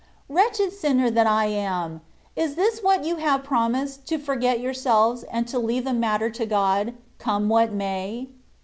Wretched sinner that I am ! Is this what you have promised, to forget yourselves, and leave the matter to God, come what may?